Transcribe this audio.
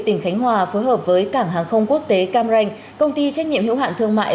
tỉnh khánh hòa phối hợp với cảng hàng không quốc tế cam ranh công ty trách nhiệm hữu hạn thương mại